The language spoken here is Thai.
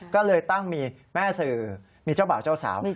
ก็เลยตั้งมีแม่สื่อมีเจ้าบ่าวเจ้าสาว